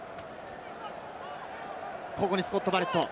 ここにスコット・バレット。